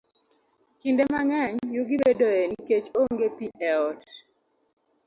Kinde mang'eny, yugi bedoe nikech onge pi e ot.